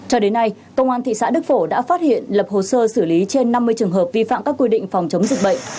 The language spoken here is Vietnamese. cho đến nay công an thị xã đức phổ đã phát hiện lập hồ sơ xử lý trên năm mươi trường hợp vi phạm các quy định phòng chống dịch bệnh